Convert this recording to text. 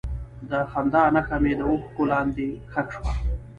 د خندا نښه مې د اوښکو لاندې ښخ شوه.